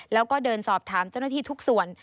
แล้วก็เดินสอบถามเจ้าหน้าที่ทุกส่วน